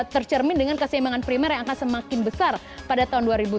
tercermin dengan keseimbangan primer yang akan semakin besar pada tahun dua ribu dua puluh